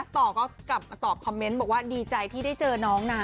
ต่อก็กลับมาตอบคอมเมนต์บอกว่าดีใจที่ได้เจอน้องนะ